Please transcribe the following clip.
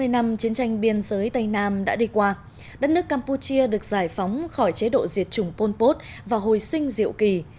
sáu mươi năm chiến tranh biên giới tây nam đã đi qua đất nước campuchia được giải phóng khỏi chế độ diệt chủng pol pot và hồi sinh diệu kỳ